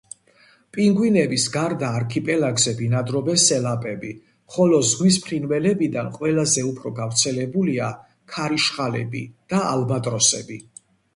პინგვინების გარდა არქიპელაგზე ბინადრობენ სელაპები, ხოლო ზღვის ფრინველებიდან ყველაზე უფრო გავრცელებულია ქარიშხალები და ალბატროსები.